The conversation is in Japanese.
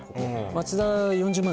町田４０万